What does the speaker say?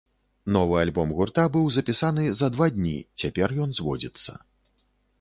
Новы альбом гурта быў запісаны за два дні, цяпер ён зводзіцца.